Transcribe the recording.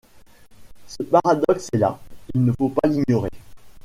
Ce paradoxe est là, il ne faut pas l'ignorer.